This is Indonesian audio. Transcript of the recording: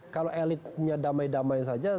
kalau elitnya damai damai saja